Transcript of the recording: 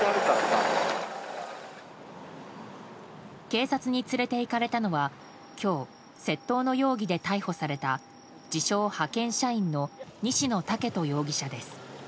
警察に連れていかれたのは今日、窃盗の容疑で逮捕された自称派遣社員の西野豪人容疑者です。